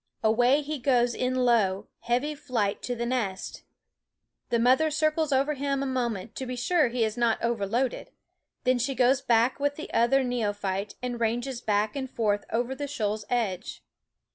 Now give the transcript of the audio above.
Away he goes in low heavy flight to the nest. The mother circles over him a moment to be sure he is not overloaded; then she goes back with the other neophyte and ranges back and forth over the shoal's edge.